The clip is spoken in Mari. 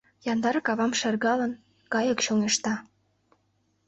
Яндар кавам шергалын, кайык чоҥешта.